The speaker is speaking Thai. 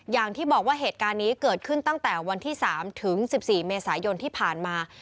อย่างที่บอกว่าเหตุการณ์นี้เกิดขึ้นตั้งแต่วันที่๓ถึง๑๔เมษายนที่ผ่านมา